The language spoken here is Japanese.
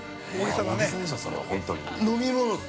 飲み物っす。